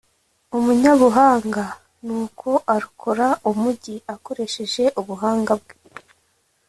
umunyabuhanga nuko arokora umugi akoresheje ubuhanga bwe